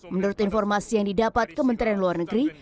menurut informasi yang didapat kementerian luar negeri